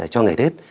cho ngày tết